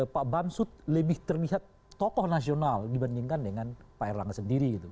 pak bang susatyo lebih terlihat tokoh nasional dibandingkan dengan pak erlangga sendiri